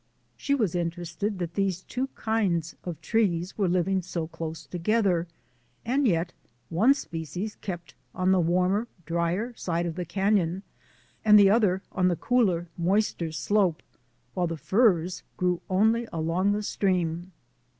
She was interested that these two kinds of trees were living so close to 232 THE ADVENTURES OF A NATURE GUIDE gether, and yet one species kept on the warmer, drier side of the canon and the other on the cooler, moister slope, while the firs grew only along the stream.